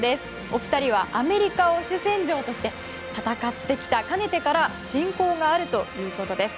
お二人はアメリカを主戦場として戦ってきたかねてから親交があるということです。